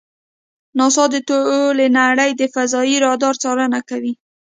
ناسا د ټولې نړۍ د فضایي رادار څارنه کوي.